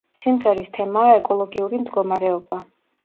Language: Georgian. სიმღერის თემაა ეკოლოგიური მდგომარეობა.